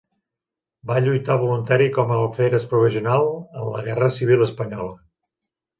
Va lluitar voluntari com a alferes provisional en la Guerra Civil Espanyola.